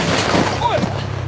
おい！